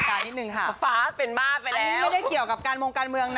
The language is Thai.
อันนี้ไม่ได้เกี่ยวกับการมงการเมืองนะ